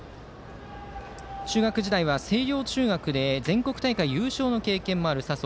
中学時代は星稜中学で全国大会優勝の経験もある佐宗。